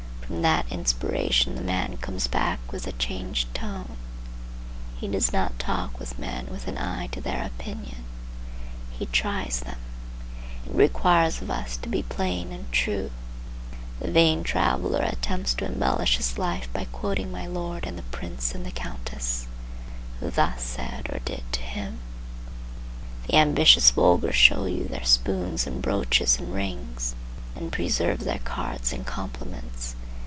From that inspiration the man comes back with a changed tone. He does not talk with men with an eye to their opinion. He tries them. It requires of us to be plain and true. The vain traveller attempts to embellish his life by quoting my lord and the prince and the countess, who thus said or did to him. The ambitious vulgar show you their spoons and brooches and rings, and preserve their cards and compliments.